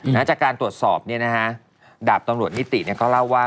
หลังจากการตรวจสอบดาบตำรวจนิติก็เล่าว่า